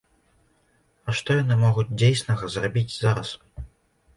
А што яны могуць дзейснага зрабіць зараз?